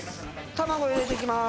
卵入れていきます